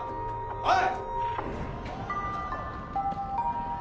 ・おい。